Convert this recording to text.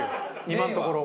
今のところ。